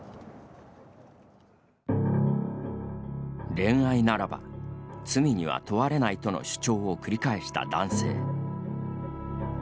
恋愛ならば、罪には問われないとの主張を繰り返した男性。